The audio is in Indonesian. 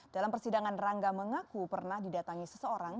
dalam persidangan rangga mengaku pernah didatangi seseorang